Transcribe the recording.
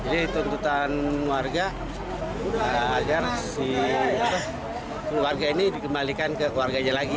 jadi tuntutan warga agar si warga ini dikembalikan ke warganya